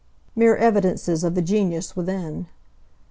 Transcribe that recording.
Mere evidences of the genius within.